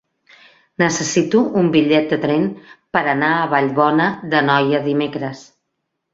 Necessito un bitllet de tren per anar a Vallbona d'Anoia dimecres.